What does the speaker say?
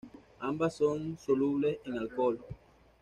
Ambas son solubles en alcohol.